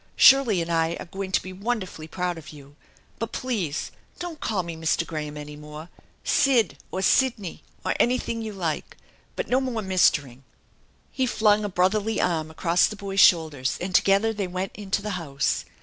Shirley and I are going to be wonderfully proud of you. But 20 306 THE ENCHANTED BARN please don't call me Mr. Graham any more. Sid, or Sidney, or anything you like, but no more mistering." He filing a brotherly arm across the boy's shoulders and together they went into the house.